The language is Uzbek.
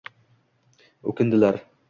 O’kindilar